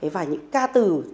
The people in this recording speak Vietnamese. và những ca từ